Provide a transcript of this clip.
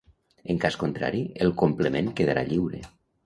En cas contrari, el complement quedarà lliure.